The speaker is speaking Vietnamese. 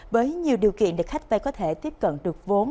với nhiều điều kiện để khách vay có thể tiếp cận được vốn